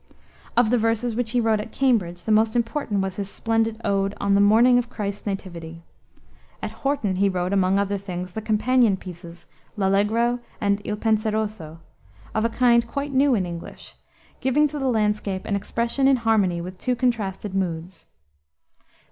Of the verses which he wrote at Cambridge, the most important was his splendid ode On the Morning of Christ's Nativity. At Horton he wrote, among other things, the companion pieces, L'Allegro and Il Penseroso, of a kind quite new in English, giving to the landscape an expression in harmony with two contrasted moods.